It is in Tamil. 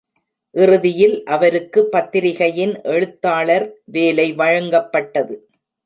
இறுதியில் அவருக்கு பத்திரிகையின் எழுத்தாளர் வேலை வழங்கப்பட்டது.